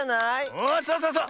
おそうそうそう！